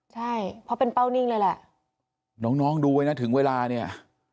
ใช่เพราะเป็นเป้านิ่งเลยแหละน้องน้องดูไว้นะถึงเวลาเนี่ย